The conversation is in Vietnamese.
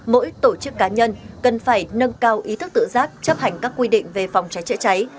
mỗi tổ chức cá nhân cần phải nâng cao ý thức tự giác chấp hành các quy định về phòng cháy chữa cháy